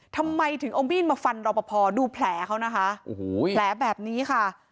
ทำไมถึงเอามีดมาฟันรอปภดูแผลเขานะคะโอ้โหแผลแบบนี้ค่ะ